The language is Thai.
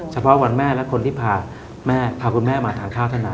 เฉพาะวันแม่และคนที่พาแม่พาคุณแม่มาทานข้าวเท่านั้น